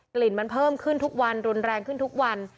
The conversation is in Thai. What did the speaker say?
ลิ่นมันเพิ่มขึ้นทุกวันรุนแรงขึ้นทุกวัน